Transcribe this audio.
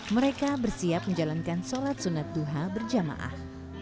mereka bersiap menjalankan sholat sunat duha berjamaah